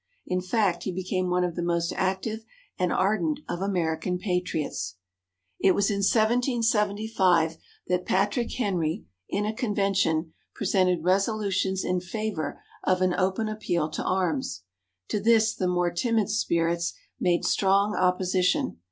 In fact, he became one of the most active and ardent of American Patriots. It was in 1775 that Patrick Henry, in a convention, presented resolutions in favour of an open appeal to arms. To this the more timid spirits made strong opposition.